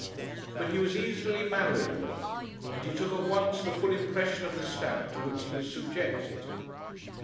But he was easily malleable, and he took at once the full impression of the stamp to which he was subjected.